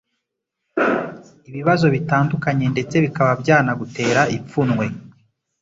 ibabazo bitandukanye ndetse bikaba byanagutera ipfunwe